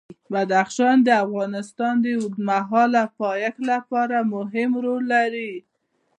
بدخشان د افغانستان د اوږدمهاله پایښت لپاره مهم رول لري.